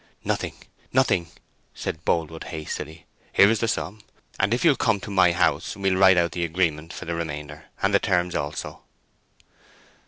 "Nothing, nothing," said Boldwood, hastily. "Here is the sum, and if you'll come to my house we'll write out the agreement for the remainder, and the terms also."